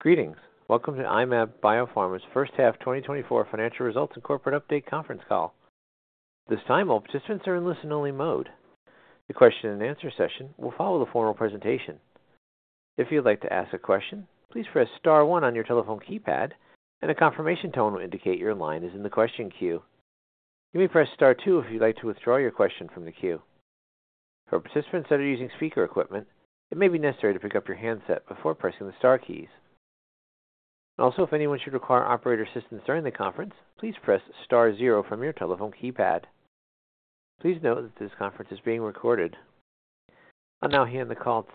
Greetings. Welcome to I-Mab Biopharma's first half 2024 financial results and corporate update conference call. This time, all participants are in listen-only mode. The question and answer session will follow the formal presentation. If you'd like to ask a question, please press star one on your telephone keypad, and a confirmation tone will indicate your line is in the question queue. You may press star two if you'd like to withdraw your question from the queue. For participants that are using speaker equipment, it may be necessary to pick up your handset before pressing the star keys. Also, if anyone should require operator assistance during the conference, please press star zero from your telephone keypad. Please note that this conference is being recorded. I'll now hand the call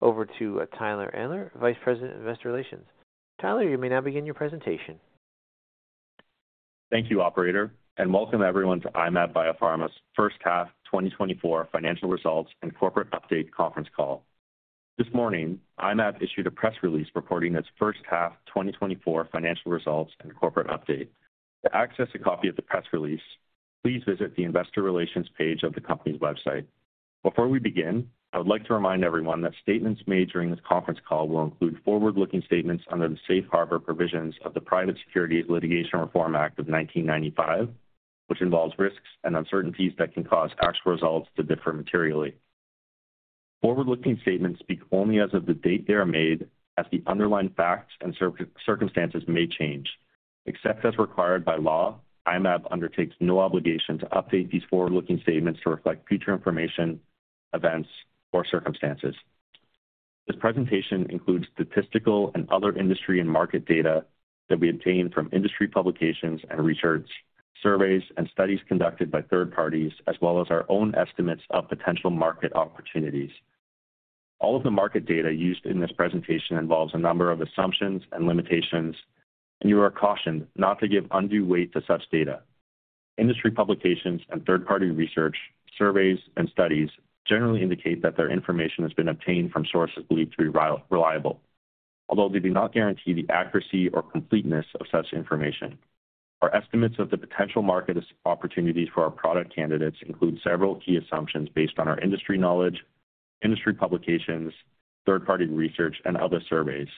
over to Tyler Enderle, Vice President of Investor Relations. Tyler, you may now begin your presentation. Thank you, operator, and welcome everyone to I-Mab Biopharma's first half 2024 financial results and corporate update conference call. This morning, I-Mab issued a press release reporting its first half 2024 financial results and corporate update. To access a copy of the press release, please visit the investor relations page of the company's website. Before we begin, I would like to remind everyone that statements made during this conference call will include forward-looking statements under the Safe Harbor Provisions of the Private Securities Litigation Reform Act of 1995, which involves risks and uncertainties that can cause actual results to differ materially. Forward-looking statements speak only as of the date they are made, as the underlying facts and circumstances may change. Except as required by law, I-Mab undertakes no obligation to update these forward-looking statements to reflect future information, events, or circumstances. This presentation includes statistical and other industry and market data that we obtain from industry publications and research, surveys, and studies conducted by third parties, as well as our own estimates of potential market opportunities. All of the market data used in this presentation involves a number of assumptions and limitations, and you are cautioned not to give undue weight to such data. Industry publications and third-party research, surveys, and studies generally indicate that their information has been obtained from sources believed to be reliable, although they do not guarantee the accuracy or completeness of such information. Our estimates of the potential market opportunities for our product candidates include several key assumptions based on our industry knowledge, industry publications, third-party research, and other surveys,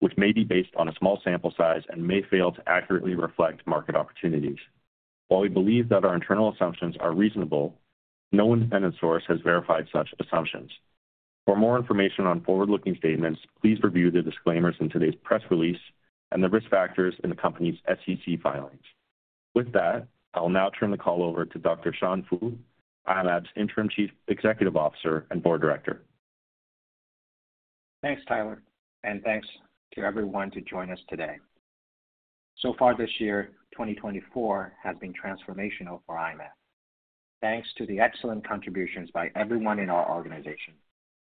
which may be based on a small sample size and may fail to accurately reflect market opportunities. While we believe that our internal assumptions are reasonable, no independent source has verified such assumptions. For more information on forward-looking statements, please review the disclaimers in today's press release and the risk factors in the company's SEC filings. With that, I will now turn the call over to Dr. Sean Fu, I-Mab's Interim Chief Executive Officer and Board Director. Thanks, Tyler, and thanks to everyone to join us today. So far this year, 2024, has been transformational for I-Mab. Thanks to the excellent contributions by everyone in our organization.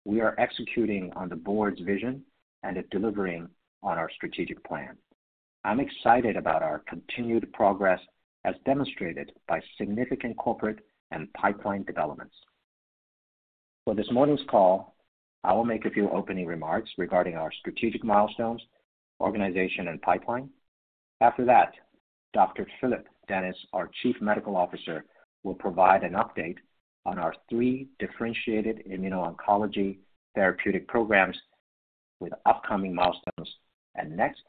We are executing on the board's vision and delivering on our strategic plan. I'm excited about our continued progress, as demonstrated by significant corporate and pipeline developments. For this morning's call, I will make a few opening remarks regarding our strategic milestones, organization, and pipeline. After that, Dr. Phillip Dennis, our Chief Medical Officer, will provide an update on our three differentiated immuno-oncology therapeutic programs with upcoming milestones. And next,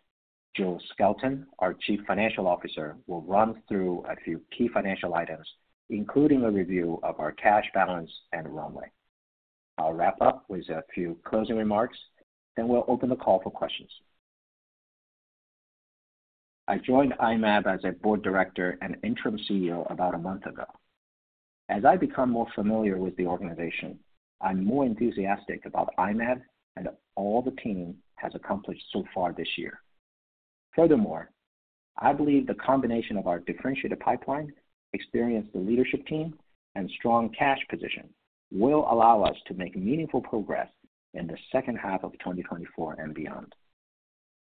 Joseph Skelton, our Chief Financial Officer, will run through a few key financial items, including a review of our cash balance and runway. I'll wrap up with a few closing remarks, then we'll open the call for questions. I joined I-Mab as a board director and interim CEO about a month ago. As I become more familiar with the organization, I'm more enthusiastic about I-Mab and all the team has accomplished so far this year. Furthermore, I believe the combination of our differentiated pipeline, experienced leadership team, and strong cash position will allow us to make meaningful progress in the second half of 2024 and beyond.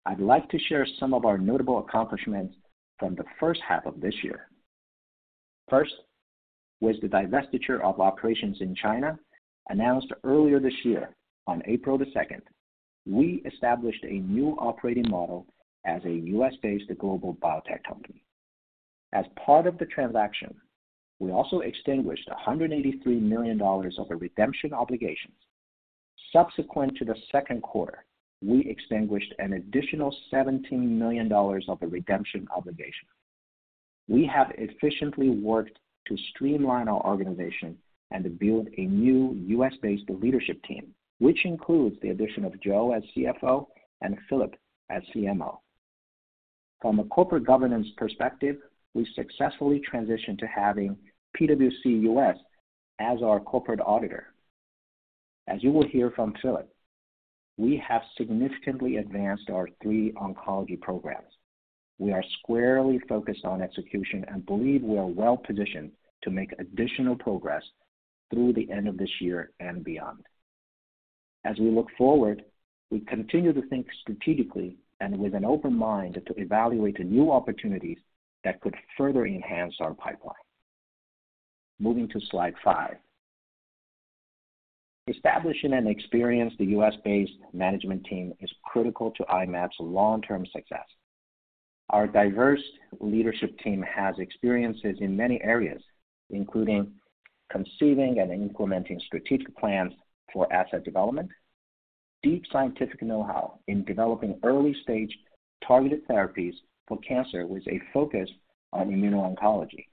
I'd like to share some of our notable accomplishments from the first half of this year. First was the divestiture of operations in China, announced earlier this year. On April the second, we established a new operating model as a U.S.-based global biotech company. As part of the transaction, we also extinguished $183 million of a redemption obligation. Subsequent to the second quarter, we extinguished an additional $17 million of the redemption obligation. We have efficiently worked to streamline our organization and to build a new US-based leadership team, which includes the addition of Joe as CFO and Philip as CMO. From a corporate governance perspective, we successfully transitioned to having PwC US as our corporate auditor. As you will hear from Philip, we have significantly advanced our three oncology programs. We are squarely focused on execution and believe we are well positioned to make additional progress through the end of this year and beyond. As we look forward, we continue to think strategically and with an open mind to evaluate the new opportunities that could further enhance our pipeline. Moving to slide five. Establishing an experienced US-based management team is critical to I-Mab's long-term success. Our diverse leadership team has experiences in many areas, including conceiving and implementing strategic plans for asset development, deep scientific know-how in developing early-stage targeted therapies for cancer, with a focus on immuno-oncology,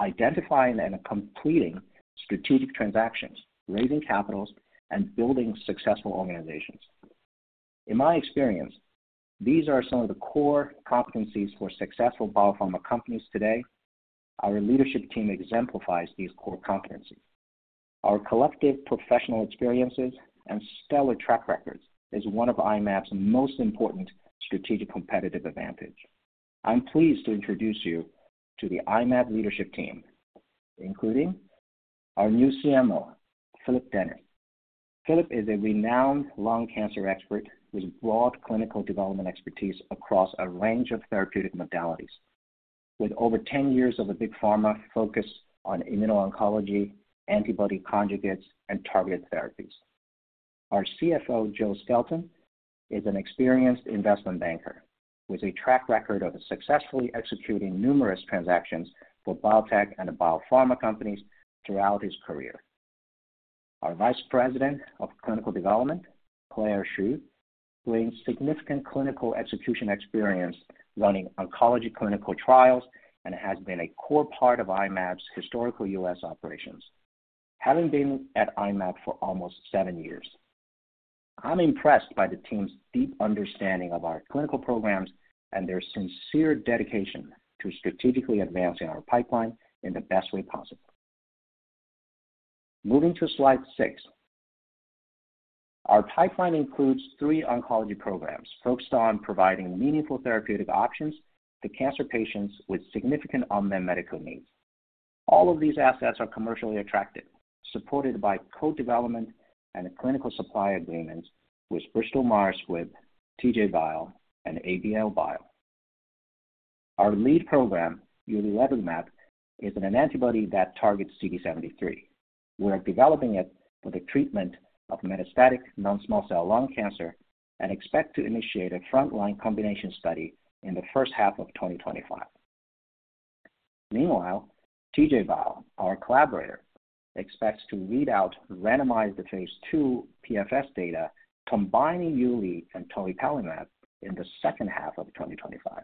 identifying and completing strategic transactions, raising capitals, and building successful organizations. In my experience, these are some of the core competencies for successful BioPharma companies today. Our leadership team exemplifies these core competencies. Our collective professional experiences and stellar track records is one of I-Mab's most important strategic competitive advantage. I'm pleased to introduce you to the I-Mab leadership team, including our new CMO, Philip Dennis. Phillip is a renowned lung cancer expert with broad clinical development expertise across a range of therapeutic modalities, with over ten years of a big pharma focus on immuno-oncology, antibody conjugates, and targeted therapies. Our CFO, Joe Skelton, is an experienced investment banker with a track record of successfully executing numerous transactions for biotech and biopharma companies throughout his career. Our Vice President of Clinical Development, Claire Xu, brings significant clinical execution experience running oncology clinical trials and has been a core part of I-Mab's historical U.S. operations, having been at I-Mab for almost seven years. I'm impressed by the team's deep understanding of our clinical programs and their sincere dedication to strategically advancing our pipeline in the best way possible. Moving to slide six. Our pipeline includes three oncology programs focused on providing meaningful therapeutic options to cancer patients with significant unmet medical needs. All of these assets are commercially attractive, supported by co-development and clinical supply agreements with Bristol Myers Squibb, TJ Biopharma, and ABL Bio. Our lead program, Uliledlimab, is an antibody that targets CD73. We're developing it for the treatment of metastatic non-small cell lung cancer and expect to initiate a frontline combination study in the first half of 2025. Meanwhile, TJ Biopharma, our collaborator, expects to read out randomized phase 2 PFS data, combining Uli and Toripalimab in the second half of 2025.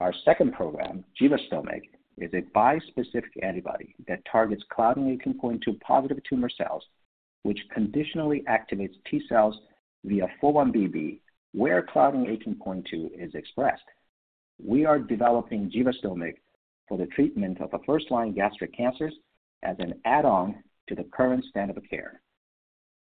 Our second program, Givastomig, is a bispecific antibody that targets Claudin 18.2-positive tumor cells, which conditionally activates T cells via 4-1BB, where Claudin 18.2 is expressed. We are developing Givastomig for the treatment of first-line gastric cancers as an add-on to the current standard of care.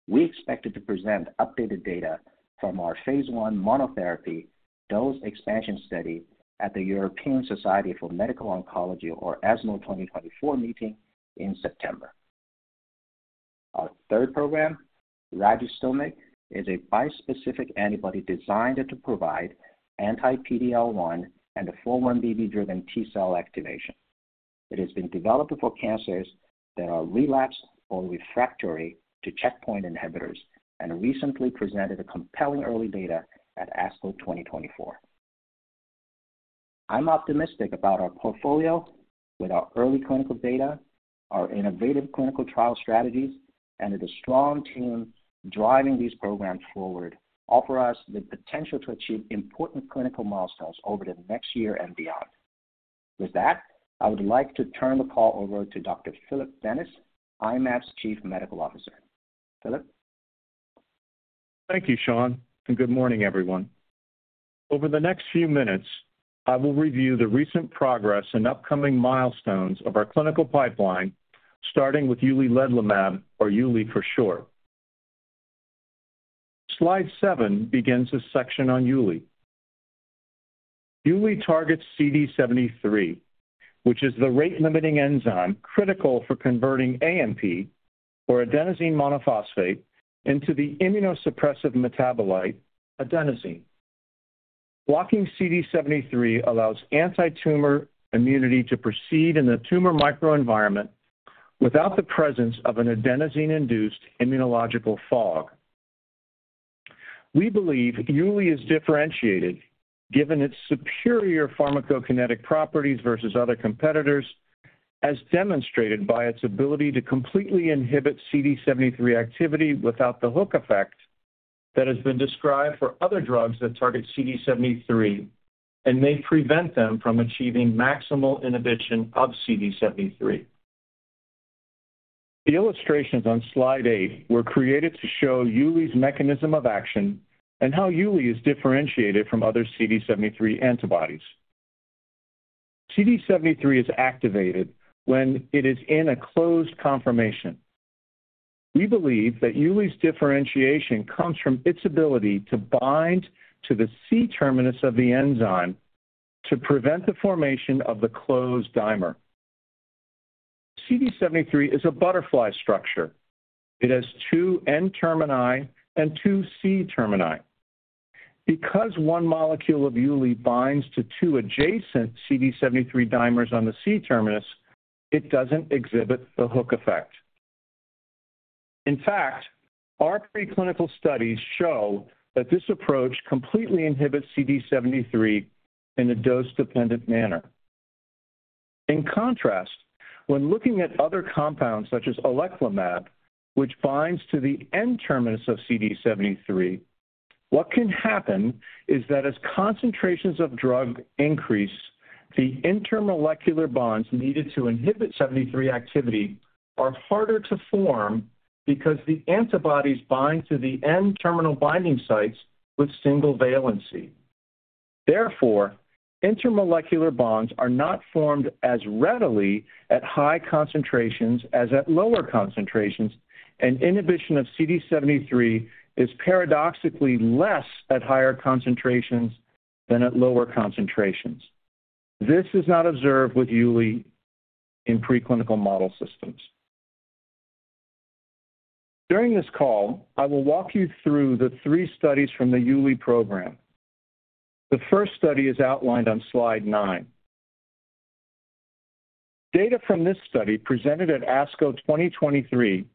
We expected to present updated data from our phase 1 monotherapy dose expansion study at the European Society for Medical Oncology, or ESMO, 2024 meeting in September. Our third program, Ragistomig, is a bispecific antibody designed to provide anti-PD-L1 and a 4-1BB-driven T-cell activation. It has been developed for cancers that are relapsed or refractory to checkpoint inhibitors and recently presented a compelling early data at ASCO 2024. I'm optimistic about our portfolio. With our early clinical data, our innovative clinical trial strategies, and with a strong team driving these programs forward, offer us the potential to achieve important clinical milestones over the next year and beyond. With that, I would like to turn the call over to Dr. Philip Dennis, I-Mab's Chief Medical Officer. Philip? Thank you, Sean, and good morning, everyone. Over the next few minutes, I will review the recent progress and upcoming milestones of our clinical pipeline, starting with Uliledlimab, or Uli for short. Slide seven begins a section on Uli. Uli targets CD73, which is the rate-limiting enzyme, critical for converting AMP, or adenosine monophosphate, into the immunosuppressive metabolite, adenosine. Blocking CD73 allows antitumor immunity to proceed in the tumor microenvironment without the presence of an adenosine-induced immunological fog. We believe Uli is differentiated, given its superior pharmacokinetic properties versus other competitors, as demonstrated by its ability to completely inhibit CD73 activity without the hook effect that has been described for other drugs that target CD73 and may prevent them from achieving maximal inhibition of CD73. The illustrations on slide eight were created to show Uli's mechanism of action and how Uli is differentiated from other CD73 antibodies. CD73 is activated when it is in a closed conformation. We believe that Uli's differentiation comes from its ability to bind to the C terminus of the enzyme to prevent the formation of the closed dimer. CD73 is a butterfly structure. It has two N termini and two C termini. Because one molecule of Uli binds to two adjacent CD73 dimers on the C-terminus, it doesn't exhibit the hook effect. In fact, our preclinical studies show that this approach completely inhibits CD73 in a dose-dependent manner. In contrast, when looking at other compounds such as oleclumab, which binds to the N-terminus of CD73, what can happen is that as concentrations of drug increase, the intermolecular bonds needed to inhibit CD73 activity are harder to form because the antibodies bind to the N-terminal binding sites with single valency. Therefore, intermolecular bonds are not formed as readily at high concentrations as at lower concentrations, and inhibition of CD73 is paradoxically less at higher concentrations than at lower concentrations. This is not observed with Uli in preclinical model systems. During this call, I will walk you through the three studies from the Uli program. The first study is outlined on slide nine. Data from this study, presented at ASCO 2023,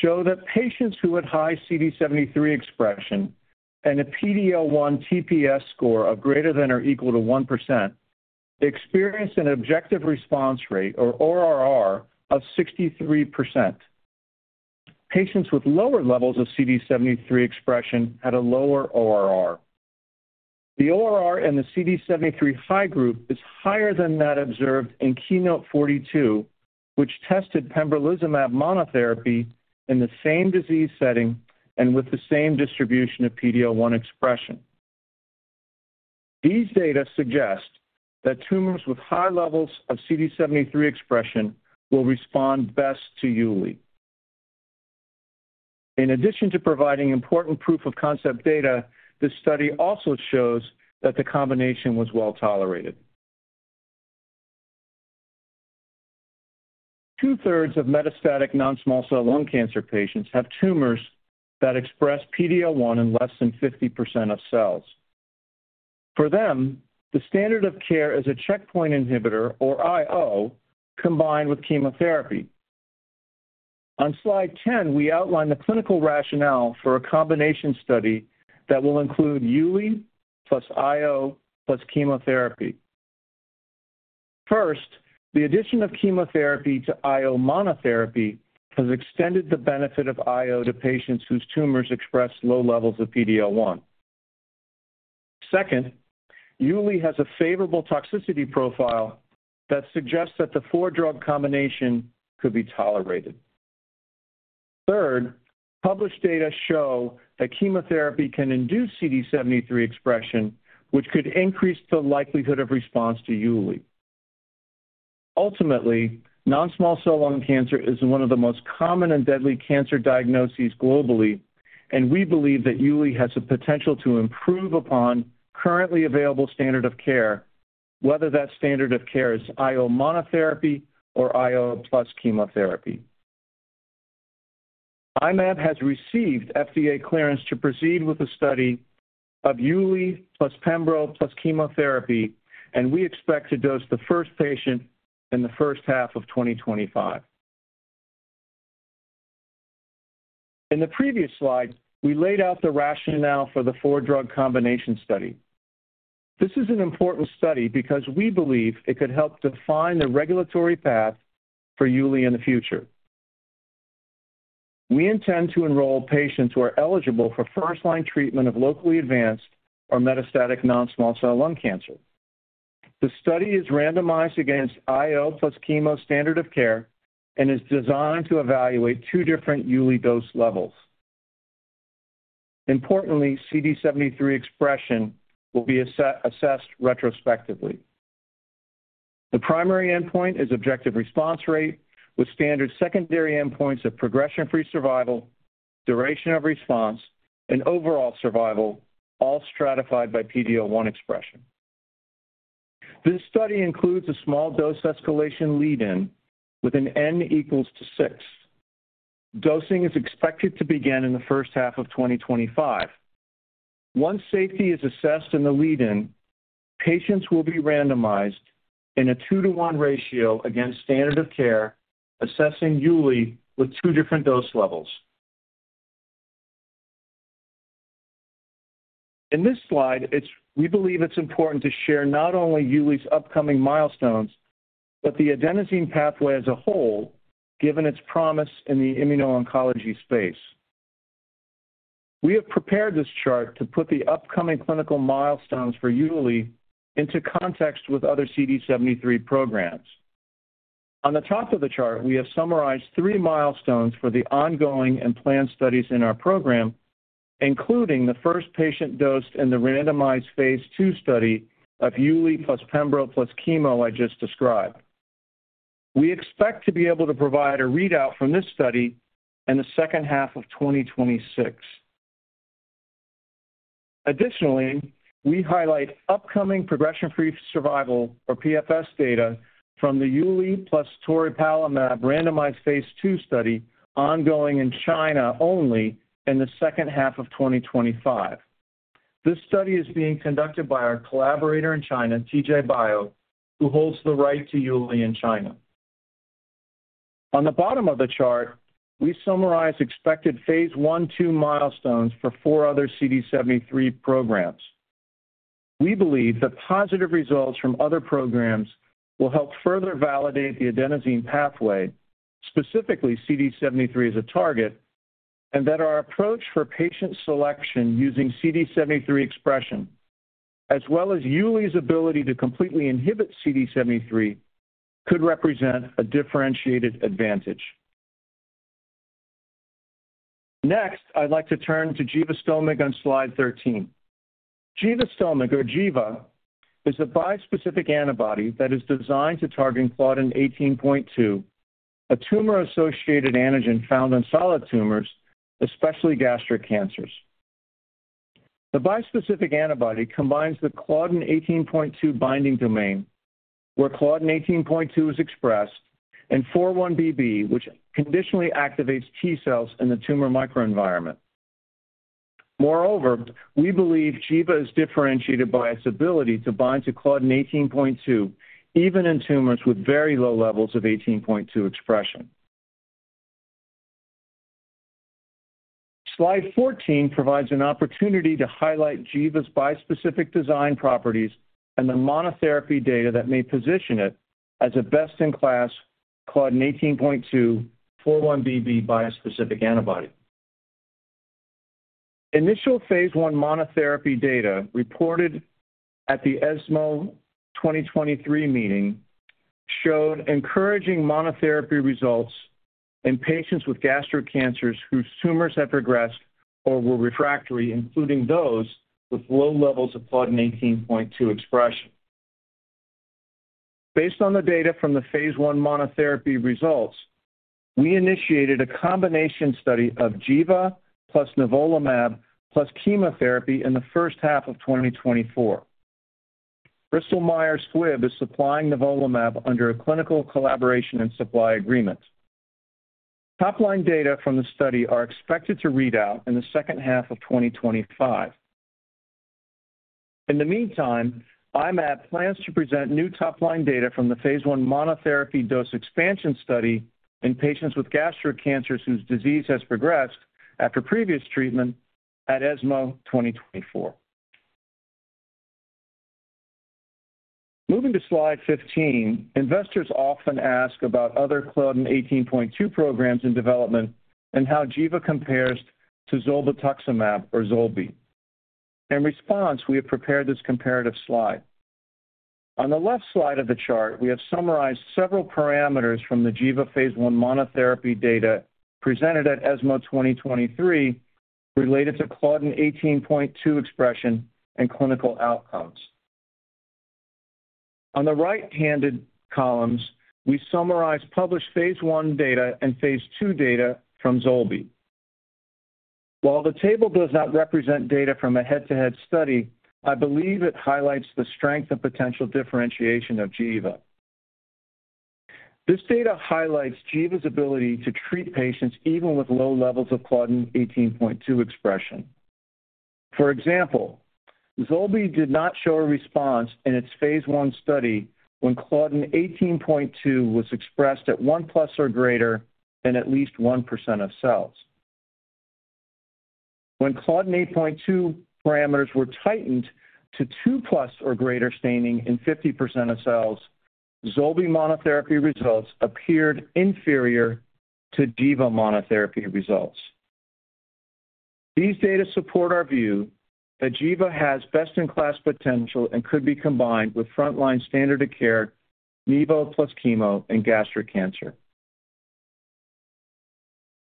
show that patients who had high CD73 expression and a PD-L1 TPS score of greater than or equal to 1%, experienced an objective response rate, or ORR, of 63%. Patients with lower levels of CD73 expression had a lower ORR. The ORR in the CD73 high group is higher than that observed in KEYNOTE-042, which tested pembrolizumab monotherapy in the same disease setting and with the same distribution of PD-L1 expression. These data suggest that tumors with high levels of CD73 expression will respond best to Uli. In addition to providing important proof of concept data, this study also shows that the combination was well tolerated. Two-thirds of metastatic non-small cell lung cancer patients have tumors that express PD-L1 in less than 50% of cells. For them, the standard of care is a checkpoint inhibitor, or IO, combined with chemotherapy. On slide 10, we outline the clinical rationale for a combination study that will include Uli plus IO plus chemotherapy. First, the addition of chemotherapy to IO monotherapy has extended the benefit of IO to patients whose tumors express low levels of PD-L1. Second, Uli has a favorable toxicity profile that suggests that the four-drug combination could be tolerated. Third, published data show that chemotherapy can induce CD73 expression, which could increase the likelihood of response to Uli. Ultimately, non-small cell lung cancer is one of the most common and deadly cancer diagnoses globally, and we believe that Uli has the potential to improve upon currently available standard of care, whether that standard of care is IO monotherapy or IO plus chemotherapy. I-Mab has received FDA clearance to proceed with the study of Uli plus pembro plus chemotherapy, and we expect to dose the first patient in the first half of 2025. In the previous slide, we laid out the rationale for the four-drug combination study. This is an important study because we believe it could help define the regulatory path for Uli in the future. We intend to enroll patients who are eligible for first-line treatment of locally advanced or metastatic non-small cell lung cancer. The study is randomized against IO plus chemo standard of care and is designed to evaluate two different Uli dose levels. Importantly, CD73 expression will be assessed retrospectively. The primary endpoint is objective response rate, with standard secondary endpoints of progression-free survival, duration of response, and overall survival, all stratified by PD-L1 expression. This study includes a small dose escalation lead-in with an N equals to six. Dosing is expected to begin in the first half of 2025. Once safety is assessed in the lead-in, patients will be randomized in a two-to-one ratio against standard of care, assessing Uli with two different dose levels. In this slide, we believe it's important to share not only Uli's upcoming milestones, but the adenosine pathway as a whole, given its promise in the immuno-oncology space. We have prepared this chart to put the upcoming clinical milestones for Uli into context with other CD73 programs. On the top of the chart, we have summarized three milestones for the ongoing and planned studies in our program, including the first patient dosed in the randomized phase 2 study of Uli plus pembro plus chemo I just described. We expect to be able to provide a readout from this study in the second half of 2026. Additionally, we highlight upcoming progression-free survival, or PFS, data from the Uli plus toripalimab randomized phase 2 study ongoing in China only in the second half of 2025. This study is being conducted by our collaborator in China, TJ Biopharma, who holds the right to Uli in China. On the bottom of the chart, we summarize expected phase I, II milestones for four other CD73 programs. We believe that positive results from other programs will help further validate the adenosine pathway, specifically CD73 as a target, and that our approach for patient selection using CD73 expression, as well as Uli's ability to completely inhibit CD73, could represent a differentiated advantage. Next, I'd like to turn to Givastomig on slide 13. Givastomig, or Jeva, is a bispecific antibody that is designed to target claudin 18.2, a tumor-associated antigen found in solid tumors, especially gastric cancers. The bispecific antibody combines the claudin 18.2 binding domain, where claudin 18.2 is expressed, and 4-1BB, which conditionally activates T cells in the tumor microenvironment. Moreover, we believe Jeva is differentiated by its ability to bind to claudin 18.2, even in tumors with very low levels of 18.2 expression. Slide 14 provides an opportunity to highlight Jeva's bispecific design properties and the monotherapy data that may position it as a best-in-class claudin 18.2, 4-1BB bispecific antibody. Initial phase I monotherapy data reported at the ESMO 2023 meeting showed encouraging monotherapy results in patients with gastric cancers whose tumors have progressed or were refractory, including those with low levels of claudin 18.2 expression. Based on the data from the phase I monotherapy results, we initiated a combination study of Jeva, plus Nivolumab, plus chemotherapy in the first half of 2024. Bristol Myers Squibb is supplying Nivolumab under a clinical collaboration and supply agreement. Top-line data from the study are expected to read out in the second half of 2025. In the meantime, I-Mab plans to present new top-line data from the phase I monotherapy dose expansion study in patients with gastric cancers whose disease has progressed after previous treatment at ESMO 2024. Moving to slide 15, investors often ask about other Claudin 18.2 programs in development and how Jeva compares to Zolbetuximab or ZOLBI. In response, we have prepared this comparative slide. On the left side of the chart, we have summarized several parameters from the Jeva phase I monotherapy data presented at ESMO 2023, related to Claudin 18.2 expression and clinical outcomes. On the right-hand columns, we summarize published phase I data and phase II data from Zolbi. While the table does not represent data from a head-to-head study, I believe it highlights the strength and potential differentiation of Jeva. This data highlights Jeva's ability to treat patients even with low levels of claudin eighteen point two expression. For example, ZOLBI did not show a response in its phase I study when claudin eighteen point two was expressed at 1+ or greater than at least 1% of cells. When claudin 18.2 parameters were tightened to 2+ or greater staining in 50% of cells, ZOLBI monotherapy results appeared inferior to Jeva monotherapy results. These data support our view that Jeva has best-in-class potential and could be combined with frontline standard of care, nivo plus chemo, and gastric cancer.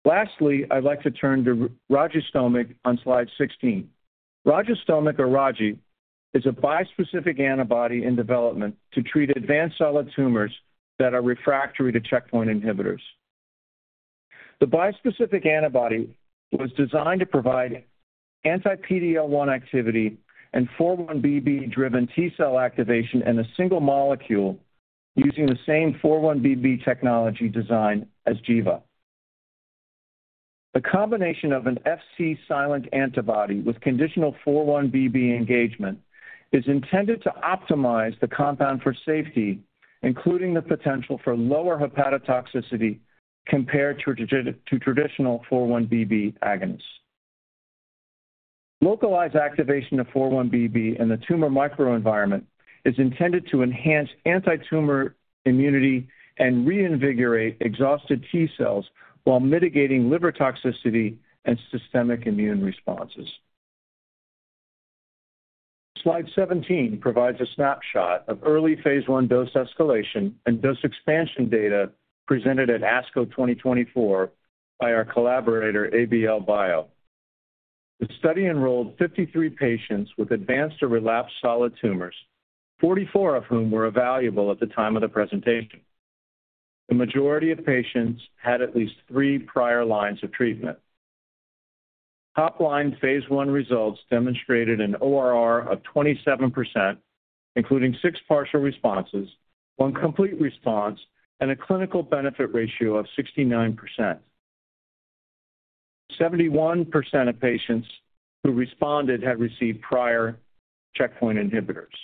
Lastly, I'd like to turn to Ragistomig on slide 16. Ragistomig, or Raji, is a bispecific antibody in development to treat advanced solid tumors that are refractory to checkpoint inhibitors. The bispecific antibody was designed to provide anti-PD-L1 activity and four-one BB-driven T cell activation in a single molecule using the same four-one BB technology design as Jeva. The combination of an Fc-silent antibody with conditional 4-1BB engagement is intended to optimize the compound for safety, including the potential for lower hepatotoxicity compared to traditional four-one BB agonists. Localized activation of four-one BB in the tumor microenvironment is intended to enhance antitumor immunity and reinvigorate exhausted T cells while mitigating liver toxicity and systemic immune responses. Slide seventeen provides a snapshot of early phase I dose escalation and dose expansion data presented at ASCO 2024 by our collaborator, ABL Bio. The study enrolled 53 patients with advanced or relapsed solid tumors, 44 of whom were evaluable at the time of the presentation. The majority of patients had at least three prior lines of treatment. Top line phase I results demonstrated an ORR of 27%, including six partial responses, one complete response, and a clinical benefit ratio of 69%.71% of patients who responded had received prior checkpoint inhibitors.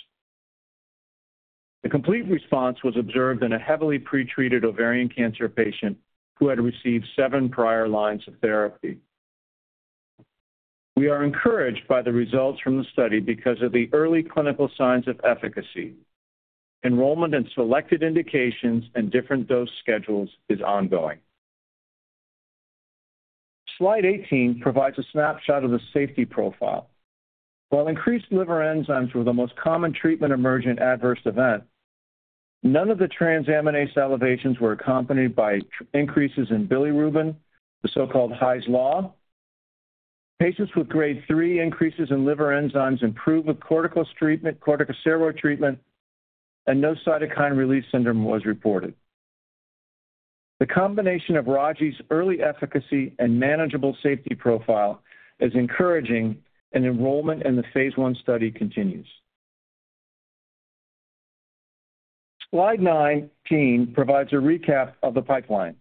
The complete response was observed in a heavily pretreated ovarian cancer patient who had received seven prior lines of therapy. We are encouraged by the results from the study because of the early clinical signs of efficacy. Enrollment in selected indications and different dose schedules is ongoing. Slide 18 provides a snapshot of the safety profile. While increased liver enzymes were the most common treatment-emergent adverse event, none of the transaminase elevations were accompanied by increases in bilirubin, the so-called Hy's Law. Patients with grade three increases in liver enzymes improved with corticosteroid treatment, and no cytokine release syndrome was reported. The combination of RAJI's early efficacy and manageable safety profile is encouraging, and enrollment in the phase 1 study continues. Slide 19 provides a recap of the pipeline.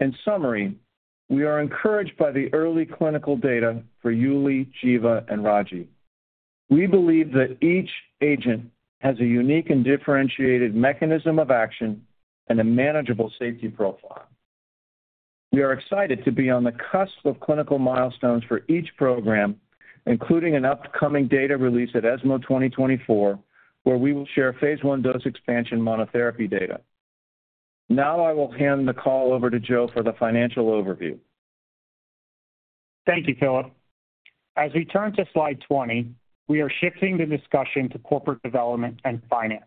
In summary, we are encouraged by the early clinical data for ULI, Jeva, and RAJI. We believe that each agent has a unique and differentiated mechanism of action and a manageable safety profile. We are excited to be on the cusp of clinical milestones for each program, including an upcoming data release at ESMO 2024, where we will share phase 1 dose expansion monotherapy data. Now I will hand the call over to Joe for the financial overview. Thank you, Philip. As we turn to slide 20, we are shifting the discussion to corporate development and finance.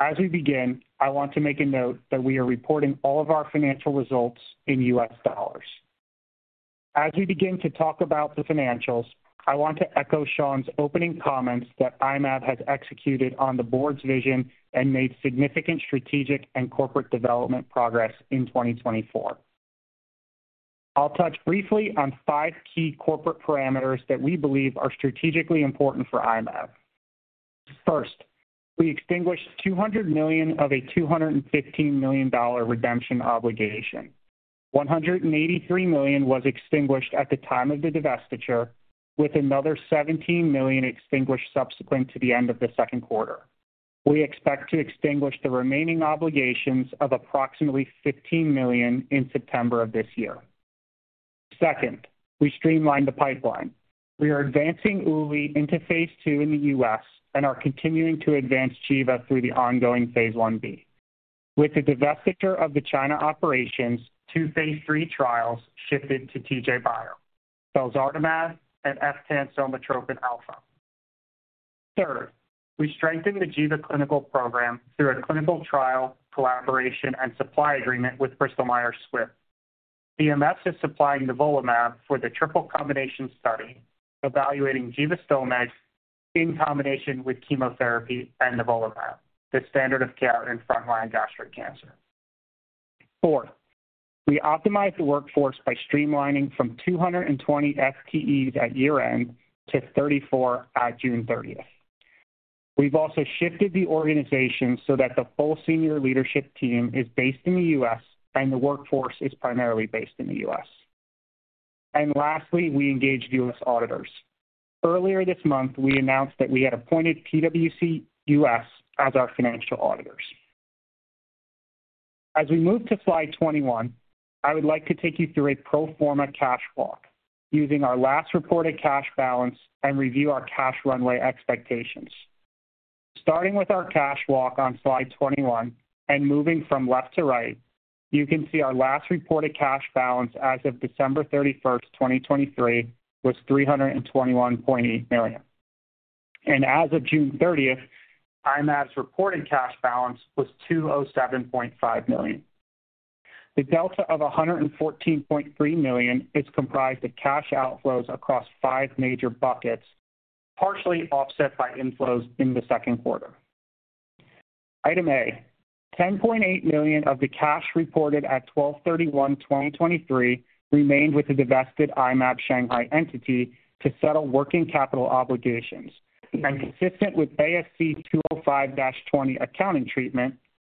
As we begin, I want to make a note that we are reporting all of our financial results in U.S. dollars. As we begin to talk about the financials, I want to echo Sean's opening comments that IMAB has executed on the board's vision and made significant strategic and corporate development progress in 2024. I'll touch briefly on 5 key corporate parameters that we believe are strategically important for IMAB. First, we extinguished $200 million of a $215 million redemption obligation. $183 million was extinguished at the time of the divestiture, with another $17 million extinguished subsequent to the end of the second quarter. We expect to extinguish the remaining obligations of approximately $15 million in September of this year. Second, we streamlined the pipeline. We are advancing ULI into phase II in the U.S. and are continuing to advance Jeva through the ongoing phase I-B. With the divestiture of the China operations, two phase III trials shifted to TJ Biopharma, Felzartamab and Eftansomatropin alfa. Third, we strengthened the Jeva clinical program through a clinical trial, collaboration, and supply agreement with Bristol Myers Squibb. BMS is supplying Nivolumab for the triple combination study, evaluating Givastomig in combination with chemotherapy and Nivolumab, the standard of care in frontline gastric cancer. Fourth, we optimized the workforce by streamlining from 220 FTEs at year-end to 34 at June thirtieth. We've also shifted the organization so that the full senior leadership team is based in the U.S. and the workforce is primarily based in the U.S. And lastly, we engaged U.S. auditors. Earlier this month, we announced that we had appointed PwC US as our financial auditors. As we move to slide 21, I would like to take you through a pro forma cash walk using our last reported cash balance and review our cash runway expectations. Starting with our cash walk on slide 21 and moving from left to right, you can see our last reported cash balance as of December 31, 2023, was $321.8 million. And as of June 30, IMAB's reported cash balance was $207.5 million. The delta of $114.3 million is comprised of cash outflows across five major buckets, partially offset by inflows in the second quarter. Item A, $10.8 million of the cash reported at December 31, 2023, remained with the divested I-Mab Shanghai entity to settle working capital obligations, and consistent with ASC 205-20 accounting treatment,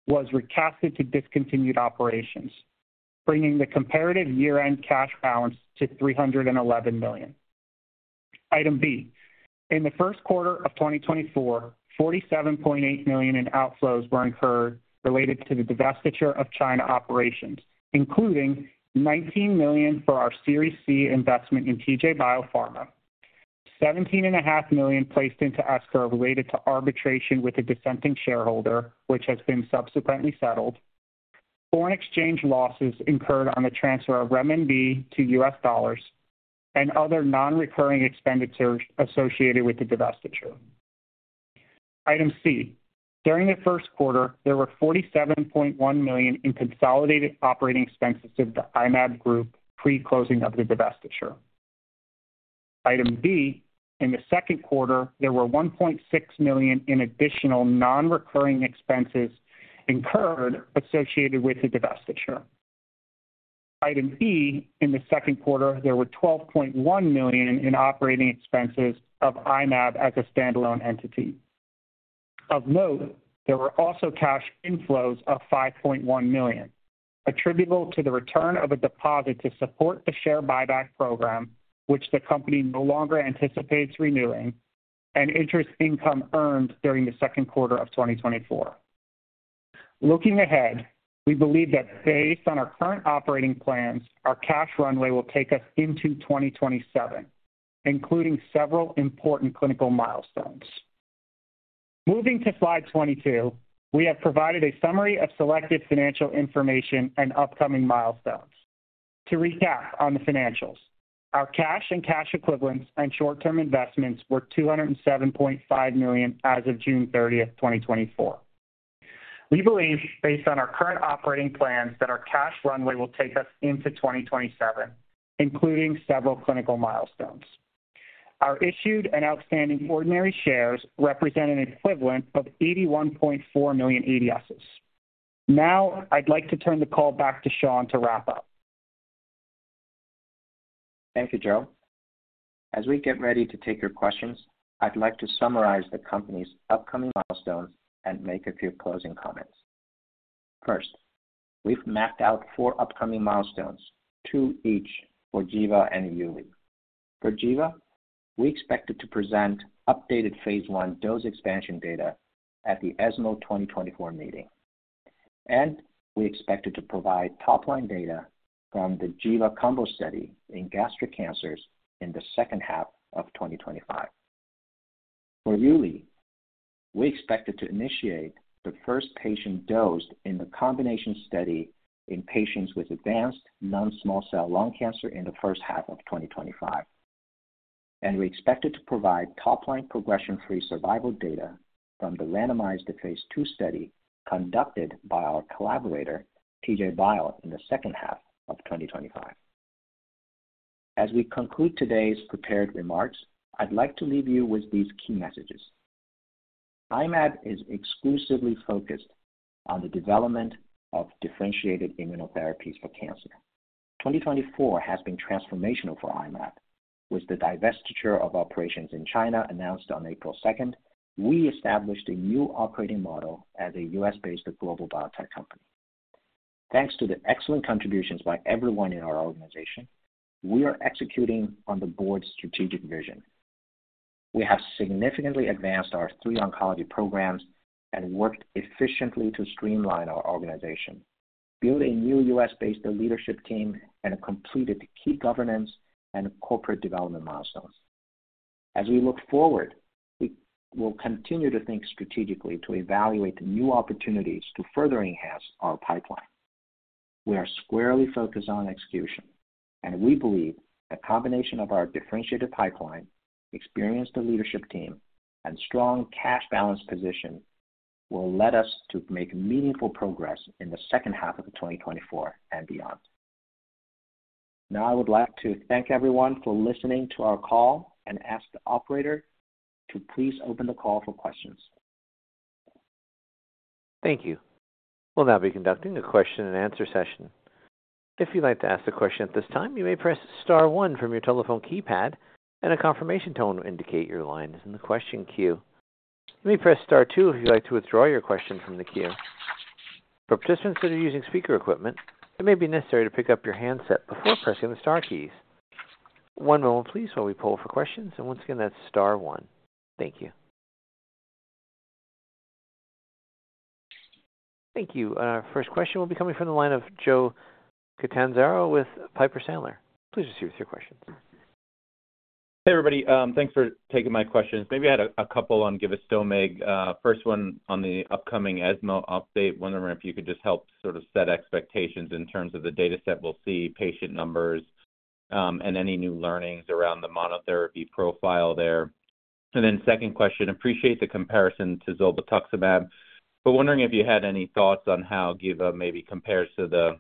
was recast to discontinued operations, bringing the comparative year-end cash balance to $311 million. Item B. In the first quarter of 2024, $47.8 million in outflows were incurred related to the divestiture of China operations, including $19 million for our Series C investment in TJ Biopharma. $17.5 million placed into escrow related to arbitration with a dissenting shareholder, which has been subsequently settled. Foreign exchange losses incurred on the transfer of renminbi to US dollars and other non-recurring expenditures associated with the divestiture. Item C. During the first quarter, there were $47.1 million in consolidated operating expenses of the IMAB group pre-closing of the divestiture. Item D. In the second quarter, there were $1.6 million in additional non-recurring expenses incurred associated with the divestiture. Item E. In the second quarter, there were $12.1 million in operating expenses of IMAB as a standalone entity. Of note, there were also cash inflows of $5.1 million, attributable to the return of a deposit to support the share buyback program, which the company no longer anticipates renewing, and interest income earned during the second quarter of 2024. Looking ahead, we believe that based on our current operating plans, our cash runway will take us into 2027, including several important clinical milestones. Moving to slide 22, we have provided a summary of selected financial information and upcoming milestones. To recap on the financials, our cash and cash equivalents and short-term investments were $207.5 million as of June thirtieth, 2024. We believe, based on our current operating plans, that our cash runway will take us into 2027, including several clinical milestones. Our issued and outstanding ordinary shares represent an equivalent of 81.4 million ADSs. Now, I'd like to turn the call back to Sean to wrap up. Thank you, Joe. As we get ready to take your questions, I'd like to summarize the company's upcoming milestones and make a few closing comments. First, we've mapped out four upcoming milestones, two each for Jeva and Uli. For Jeva, we expected to present updated phase one dose expansion data at the ESMO 2024 meeting, and we expected to provide top-line data from the Jeva combo study in gastric cancers in the second half of 2025. For Uli, we expected to initiate the first patient dosed in the combination study in patients with advanced non-small cell lung cancer in the first half of 2025. And we expected to provide top-line progression-free survival data from the randomized phase II study conducted by our collaborator, TJ Bio, in the second half of twenty twenty-five. As we conclude today's prepared remarks, I'd like to leave you with these key messages. I-Mab is exclusively focused on the development of differentiated immunotherapies for cancer. 2024 has been transformational for I-Mab, with the divestiture of operations in China announced on April second. We established a new operating model as a U.S.-based global biotech company. Thanks to the excellent contributions by everyone in our organization, we are executing on the board's strategic vision. We have significantly advanced our three oncology programs and worked efficiently to streamline our organization, build a new U.S.-based leadership team, and have completed key governance and corporate development milestones. As we look forward, we will continue to think strategically to evaluate the new opportunities to further enhance our pipeline. We are squarely focused on execution, and we believe a combination of our differentiated pipeline, experienced leadership team, and strong cash balance position will lead us to make meaningful progress in the second half of 2024 and beyond. Now, I would like to thank everyone for listening to our call and ask the operator to please open the call for questions. Thank you. We'll now be conducting a question and answer session. If you'd like to ask a question at this time, you may press star one from your telephone keypad, and a confirmation tone will indicate your line is in the question queue. You may press star two if you'd like to withdraw your question from the queue. For participants that are using speaker equipment, it may be necessary to pick up your handset before pressing the star keys. One moment please, while we pull for questions, and once again, that's star one. Thank you. Thank you. Our first question will be coming from the line of Joe Catanzaro with Piper Sandler. Please proceed with your question. Hey, everybody. Thanks for taking my questions. Maybe I had a couple on Givastomig. First one on the upcoming ESMO update. Wondering if you could just help sort of set expectations in terms of the data set we'll see, patient numbers, and any new learnings around the monotherapy profile there. And then second question, appreciate the comparison to Zolbetuximab, but wondering if you had any thoughts on how Giva maybe compares to the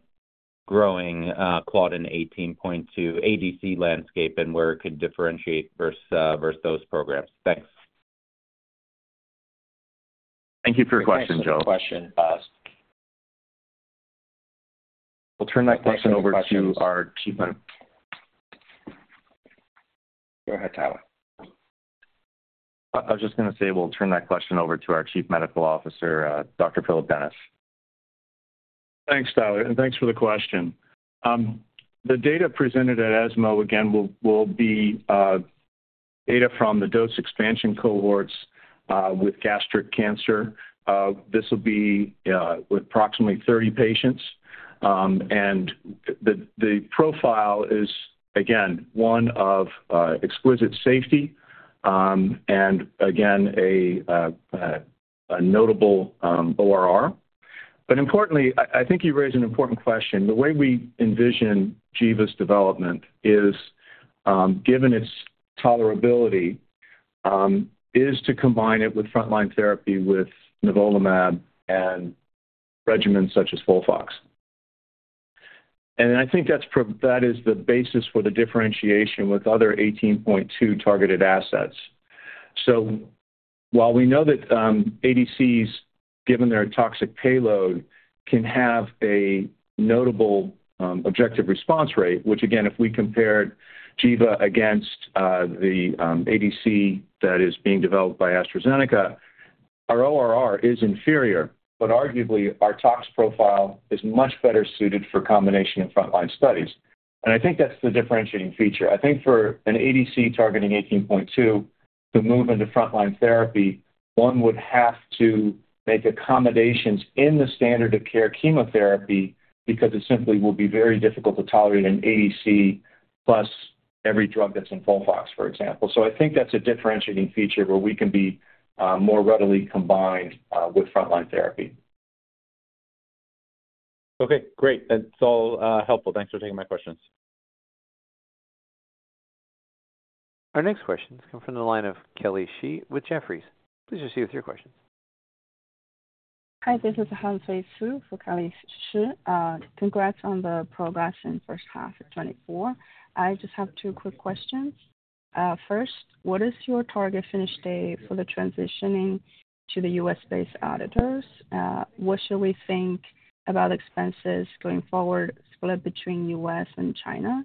growing Claudin 18.2 ADC landscape and where it could differentiate versus those programs. Thanks. [crosstalks] I was just going to say, we'll turn that question over to our Chief Medical Officer, Dr. Philip Dennis. Thanks, Tyler, and thanks for the question. The data presented at ESMO again will be data from the dose expansion cohorts with gastric cancer. This will be approximately 30 patients. And the profile is again one of exquisite safety and again a notable ORR. But importantly, I think you raised an important question. The way we envision Jeva's development is given its tolerability is to combine it with frontline therapy, with Nivolumab and regimens such as FOLFOX. And I think that's pro-- that is the basis for the differentiation with other 18.2 targeted assets. So while we know that ADCs-... Given their toxic payload, can have a notable objective response rate, which again, if we compared Jeva against the ADC that is being developed by AstraZeneca, our ORR is inferior, but arguably our tox profile is much better suited for combination and frontline studies and I think that's the differentiating feature. I think for an ADC targeting eighteen point two, to move into frontline therapy, one would have to make accommodations in the standard of care chemotherapy, because it simply will be very difficult to tolerate an ADC plus every drug that's in FOLFOX, for example, so I think that's a differentiating feature where we can be more readily combined with frontline therapy. Okay, great. That's all, helpful. Thanks for taking my questions. Our next question has come from the line of Kelly Shi with Jefferies. Please proceed with your question. Hi, this is Hanfei Su for Kelly Shi. Congrats on the progress in the first half of 2024. I just have two quick questions. First, what is your target finish date for the transitioning to the U.S.-based auditors? What should we think about expenses going forward, split between U.S. and China?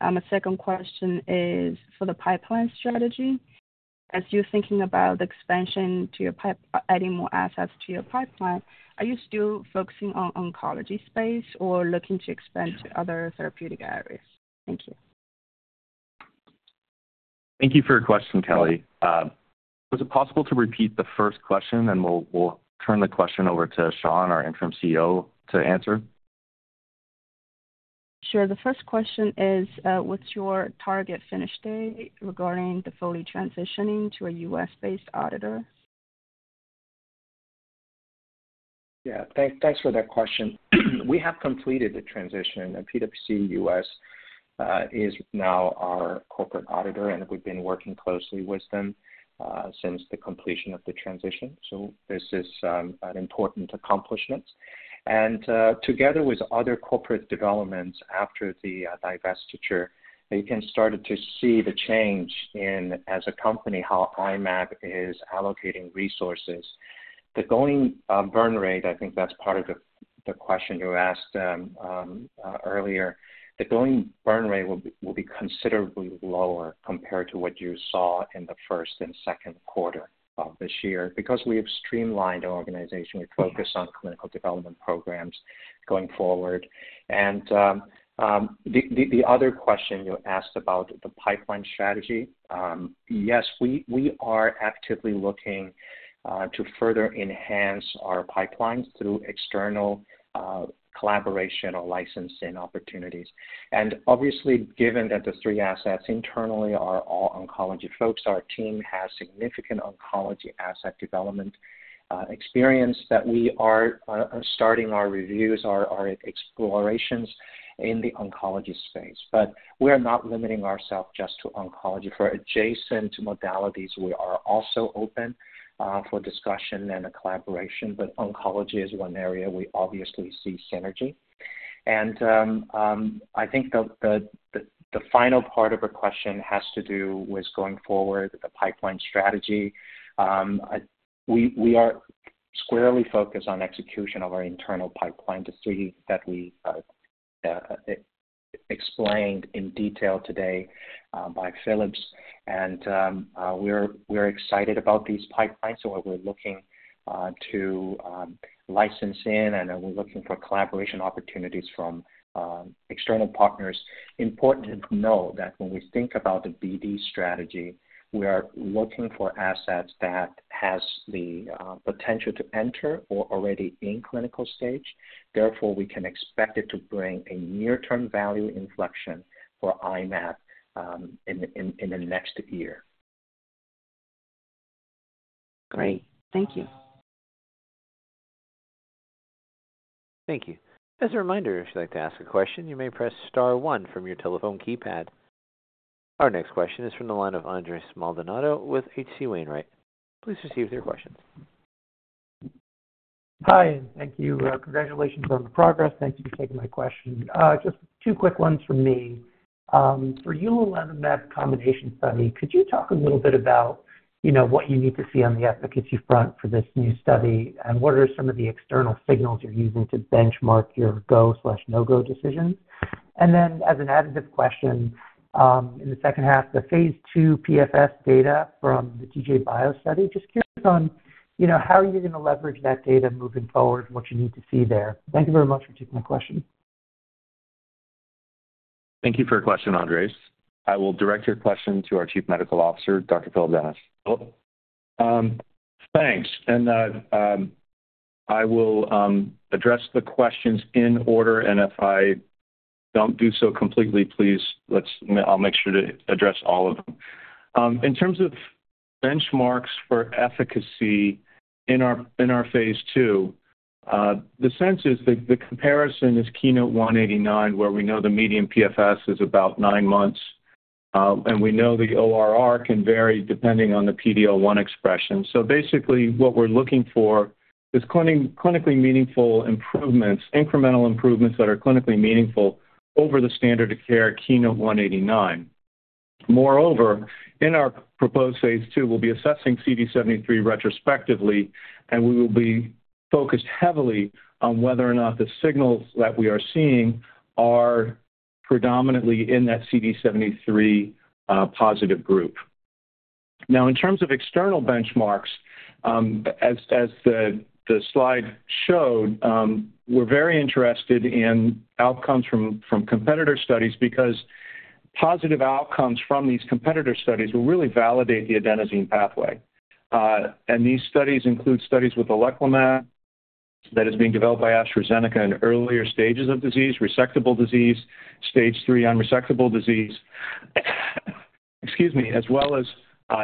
The second question is for the pipeline strategy. As you're thinking about expansion to your pipeline, adding more assets to your pipeline, are you still focusing on oncology space or looking to expand to other therapeutic areas? Thank you. Thank you for your question, Kelly. Was it possible to repeat the first question, and we'll turn the question over to Sean, our Interim CEO, to answer? Sure. The first question is, what's your target finish date regarding the fully transitioning to a U.S.-based auditor? Yeah, thanks for that question. We have completed the transition, and PwC US is now our corporate auditor, and we've been working closely with them since the completion of the transition. So this is an important accomplishment. And together with other corporate developments after the divestiture, you can start to see the change in, as a company, how I-Mab is allocating resources. The going burn rate, I think that's part of the question you asked earlier. The going burn rate will be considerably lower compared to what you saw in the first and second quarter of this year. Because we have streamlined our organization, we focus on clinical development programs going forward. And the other question you asked about the pipeline strategy. Yes, we are actively looking to further enhance our pipelines through external collaboration or licensing opportunities. Obviously, given that the three assets internally are all oncology-focused, our team has significant oncology asset development experience that we are starting our reviews, our explorations in the oncology space. We are not limiting ourselves just to oncology. For adjacent modalities, we are also open for discussion and collaboration, but oncology is one area we obviously see synergy. I think the final part of your question has to do with going forward with the pipeline strategy. We are squarely focused on execution of our internal pipeline, the three that we explained in detail today by Philip. We're excited about these pipelines, so we're looking to license in, and then we're looking for collaboration opportunities from external partners. Important to know that when we think about the BD strategy, we are looking for assets that has the potential to enter or already in clinical stage. Therefore, we can expect it to bring a near-term value inflection for I-Mab in the next year. Great. Thank you. Thank you. As a reminder, if you'd like to ask a question, you may press star one from your telephone keypad. Our next question is from the line of Andres Maldonado with H.C. Wainwright. Please proceed with your question. Hi, and thank you. Congratulations on the progress. Thank you for taking my question. Just two quick ones from me. For I-Mab combination study, could you talk a little bit about, you know, what you need to see on the efficacy front for this new study? And what are some of the external signals you're using to benchmark your go/no-go decisions? And then, as an additive question, in the second half, the phase II PFS data from the TJ Biopharma study, just curious on, you know, how are you going to leverage that data moving forward and what you need to see there. Thank you very much for taking my question. Thank you for your question, Andres. I will direct your question to our Chief Medical Officer, Dr. Philip Dennis. Oh, thanks. I will address the questions in order, and if I don't do so completely, please. I'll make sure to address all of them. In terms of benchmarks for efficacy in our phase II, the sense is that the comparison is KEYNOTE-189, where we know the median PFS is about nine months, and we know the ORR can vary depending on the PD-L1 expression. So basically, what we're looking for is clinically meaningful improvements, incremental improvements that are clinically meaningful over the standard of care, KEYNOTE-189. Moreover, in our proposed phase II, we'll be assessing CD73 retrospectively, and we will be focused heavily on whether or not the signals that we are seeing are predominantly in that CD73 positive group. Now, in terms of external benchmarks, as the slide showed, we're very interested in outcomes from competitor studies because positive outcomes from these competitor studies will really validate the adenosine pathway, and these studies include studies with Oleclumab that is being developed by AstraZeneca in earlier stages of disease, resectable disease, stage three unresectable disease, excuse me, as well as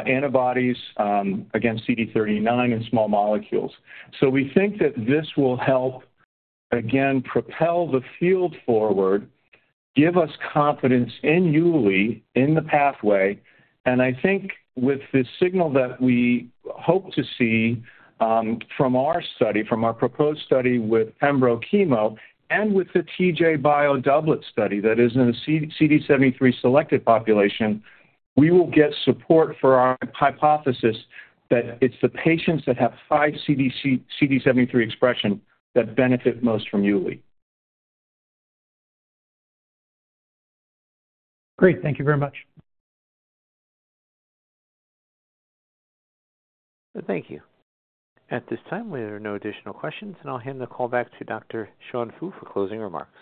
antibodies against CD39 and small molecules. We think that this will help, again, propel the field forward, give us confidence in Uli, in the pathway. And I think with the signal that we hope to see from our study, from our proposed study with pembro chemo and with the TJ Bio doublet study that is in a CD73-selected population, we will get support for our hypothesis that it's the patients that have high CD73 expression that benefit most from Uli. Great. Thank you very much. Thank you. At this time, there are no additional questions, and I'll hand the call back to Dr. Sean Fu for closing remarks.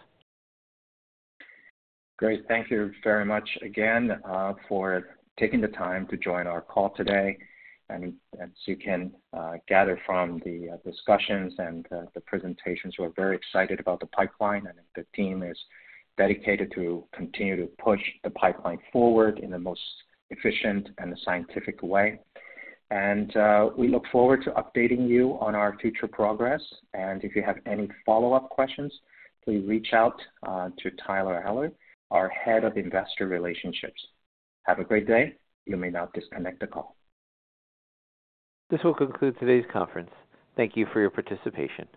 Great. Thank you very much again for taking the time to join our call today. As you can gather from the discussions and the presentations, we're very excited about the pipeline, and the team is dedicated to continue to push the pipeline forward in the most efficient and scientific way. We look forward to updating you on our future progress. If you have any follow-up questions, please reach out to Tyler Enderle, our Head of Investor Relations. Have a great day. You may now disconnect the call. This will conclude today's conference. Thank you for your participation.